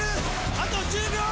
あと１０秒！